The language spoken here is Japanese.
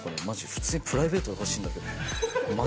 普通にプライベートで欲しいんだけど。